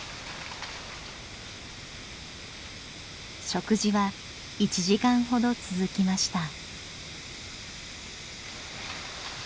食事は１時間ほど続きました。